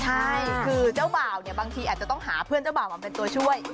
ใช่คือเจ้าบ่าวเนี่ยบางทีอาจจะต้องหาเพื่อนเจ้าบ่าวมาเป็นตัวช่วย